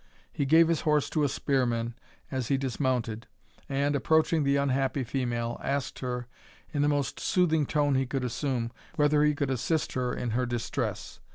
He gave his horse to a spearman as he dismounted, and, approaching the unhappy female, asked her, in the most soothing tone he could assume, whether he could assist her in her distress.